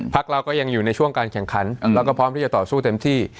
เราก็ยังอยู่ในช่วงการแข่งขันแล้วก็พร้อมที่จะต่อสู้เต็มที่